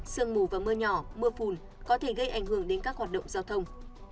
sương mù và mưa nhỏ mưa phùn có thể gây ảnh hưởng đến các hoạt động giao thông